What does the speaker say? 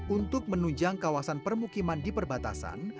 untuk menunjang kawasan permukiman di perbatasan